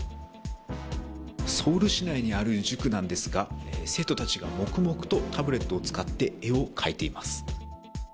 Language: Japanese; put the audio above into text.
ソウル市内にある塾なんですが生徒たちが黙々とタブレットを使って絵を描いています。